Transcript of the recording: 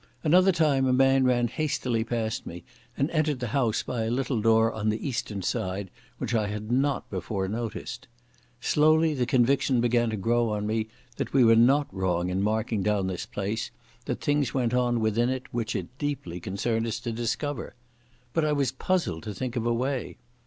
Another time a man ran hastily past me, and entered the house by a little door on the eastern side, which I had not before noticed.... Slowly the conviction began to grow on me that we were not wrong in marking down this place, that things went on within it which it deeply concerned us to discover. But I was puzzled to think of a way.